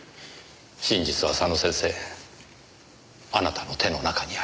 真実は佐野先生あなたの手の中にあります。